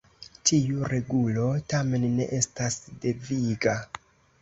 Tiu regulo tamen ne estas deviga.